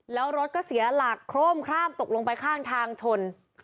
แล้วรถก็เสียหลักโคร่มคร่ามตกลงไปข้างทางชน